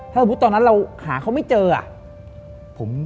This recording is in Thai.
ถ้าสมมุติตอนนั้นเราหาเขาไม่เจออ่ะ